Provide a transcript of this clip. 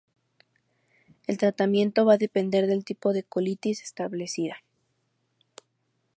El tratamiento va a depender del tipo de colitis establecida.